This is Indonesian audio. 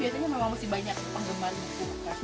biasanya memang masih banyak penggemar buku